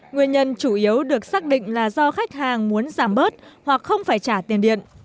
nguyên nhân chủ yếu được xác định là do khách hàng muốn giảm bớt hoặc không phải trả tiền điện